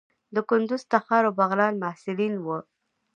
د کندوز، تخار او بغلان محصلین وو.